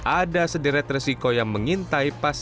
ada sederet resiko yang mengintai pasangan ini